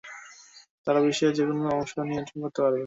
তারা বিশ্বের যে কোনো অংশ নিয়ন্ত্রণ করতে পারবে।